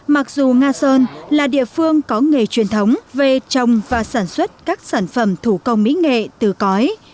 mặc dù nga sơn là địa phương có nghề truyền thống về trồng và sản xuất các sản phẩm thủ công mỹ nghệ từ cõi